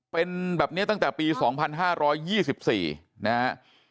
เป็นแบบนี้ตั้งแต่ปี๒๕๒๔นะฮะ